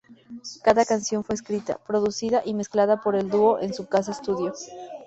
Cada canción fue escrita, producida y mezclada por el dúo en su casa-estudio.